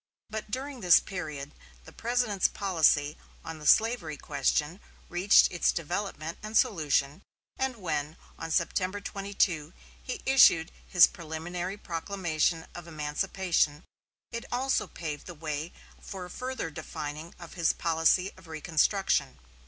But during this period the President's policy on the slavery question reached its development and solution, and when, on September 22, he issued his preliminary proclamation of emancipation, it also paved the way for a further defining of his policy of reconstruction.